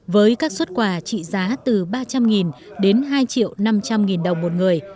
với các xuất quà trị giá từ ba trăm linh đến hai năm trăm linh đồng